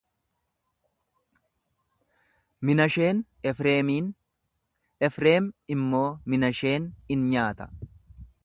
Minasheen Efreemiin, Efreem immoo Minasheen in nyaata.